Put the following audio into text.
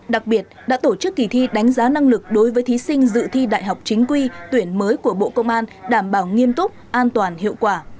đặc biệt đã tổ chức kỳ thi đánh giá năng lực đối với thí sinh dự thi đại học chính quy tuyển mới của bộ công an đảm bảo nghiêm túc an toàn hiệu quả